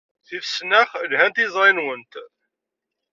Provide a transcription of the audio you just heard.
Tifesnax lhant i yiẓri-nwent.